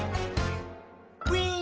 「ウィン！」